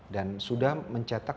dan sudah mencetak